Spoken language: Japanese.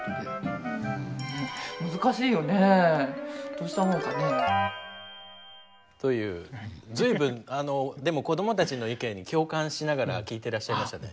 どうしたもんかねぇ。という随分あのでも子どもたちの意見に共感しながら聞いていらっしゃいましたね。